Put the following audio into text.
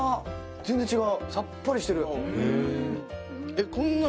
全然違う」